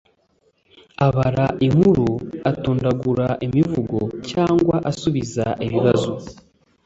abara inkuru, atondagura imivugo cyangwa asubiza ibibazo;